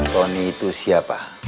tony itu siapa